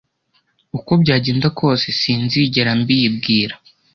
uko byagenda kose, sinzigera mbibwira.